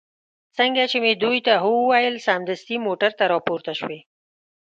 څنګه چې مې دوی ته هو وویل، سمدستي موټر ته را پورته شوې.